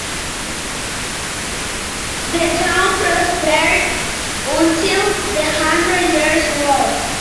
The town prospered until the Hundred Years' War.